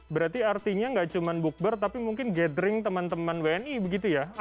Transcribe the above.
berarti artinya nggak cuma bukber tapi mungkin gathering teman teman wni begitu ya